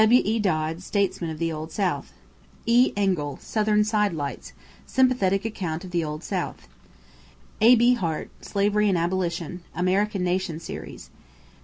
W.E. Dodd, Statesmen of the Old South. E. Engle, Southern Sidelights (Sympathetic account of the Old South). A.B. Hart, Slavery and Abolition (American Nation Series).